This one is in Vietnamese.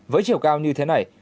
với chiều cao như thế này